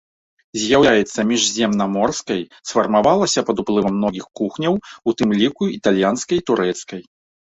З'яўляецца міжземнаморскай, сфармавалася пад уплывам многіх кухняў, у тым ліку італьянскай і турэцкай.